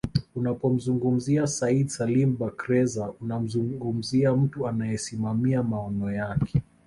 Unapomzungumzia Said Salim Bakhresa unamzungumzia mtu anayesimamia maono yake